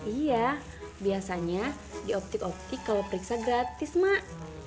iya biasanya dioptik optik kalau periksa gratis mak